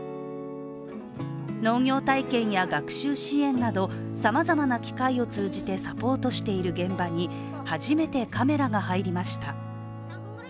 農業体験や学習支援など、さまざまな機会を通じてサポートしている現場に初めてカメラが入りました。